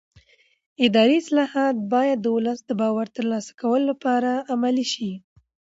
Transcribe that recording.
اداري اصلاحات باید د ولس د باور د ترلاسه کولو لپاره عملي شي